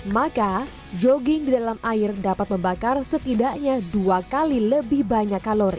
maka jogging di dalam air dapat membakar setidaknya dua kali lebih banyak kalori